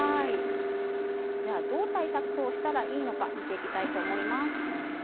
どう対策をしたらいいのか見ていきたいと思います。